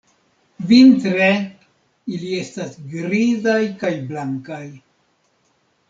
Vintre, ili estas grizaj kaj blankaj.